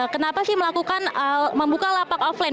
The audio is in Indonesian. kenapa sih melakukan membuka lapak offline